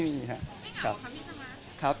ไม่ครับ